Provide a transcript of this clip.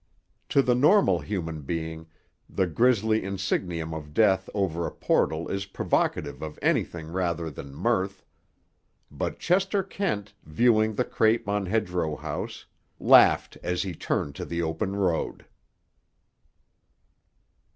To the normal human being, the grisly insignium of death over a portal is provocative of anything rather than mirth. But Chester Kent, viewing the crape on Hedgerow House, laughed as he turned to the open road.